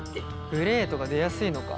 グレーとか出やすいのか。